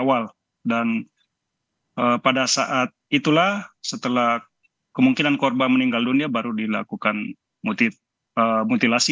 awal dan pada saat itulah setelah kemungkinan korban meninggal dunia baru dilakukan mutilasi